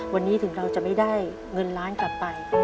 วันนี้ถึงเราจะไม่ได้เงินล้านกลับไป